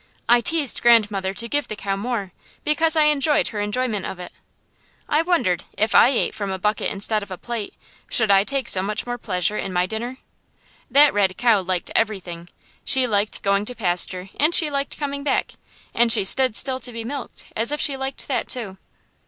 I teased grandmother to give the cow more, because I enjoyed her enjoyment of it. I wondered, if I ate from a bucket instead of a plate, should I take so much more pleasure in my dinner? That red cow liked everything. She liked going to pasture, and she liked coming back, and she stood still to be milked, as if she liked that too.